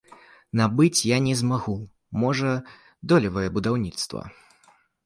Набыць я не змагу, можа, долевае будаўніцтва.